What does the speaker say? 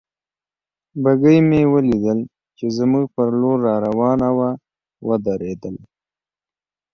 بګۍ مې ولیدل چې زموږ پر لور را روانه وه، ودرېدل.